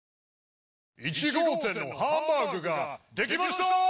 「１号店のハンバーグができました！」。